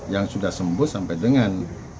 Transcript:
yang sudah sembuh sampai dengan